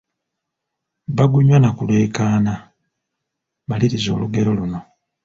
Bagunywa na kuleekaana, maliriza olugero luno.